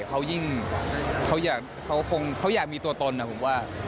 เขายิ่งเขาอยากมีตัวตนผมว่า